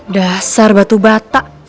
dasar batu bata